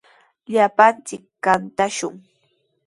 Llapanchik kantashun.